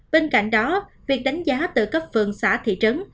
bên cạnh đó việc đánh giá từ cấp phường xã thị trấn